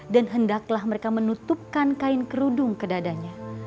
dan hendaklah mereka menutupkan kain kerudung ke dadanya